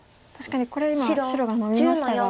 確かにこれ今白がノビましたが。